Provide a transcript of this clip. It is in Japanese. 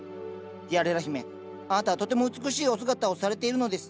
ティアレラ姫あなたはとても美しいお姿をされているのです。